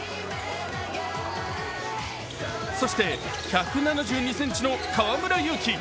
そして１７２ｃｍの河村勇輝。